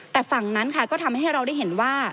แต่ฝั่งนั้นค่ะก็ทำให้เราได้เห็นว่า